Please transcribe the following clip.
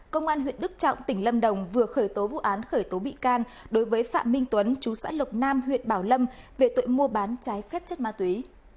công an huyện đức trọng tỉnh lâm đồng vừa khởi tố vụ án khởi tố bị can đối với phạm minh tuấn chú xã lộc nam huyện bảo lâm về tội mua bán trái phép chất ma túy